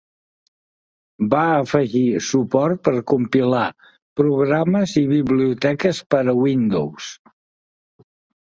Va afegir suport per compilar programes i biblioteques per a Windows.